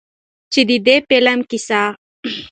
چې د دې فلم قيصه